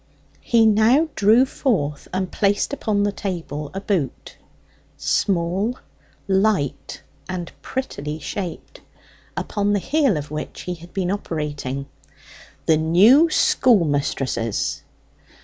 He now drew forth and placed upon the table a boot small, light, and prettily shaped upon the heel of which he had been operating. "The new schoolmistress's!"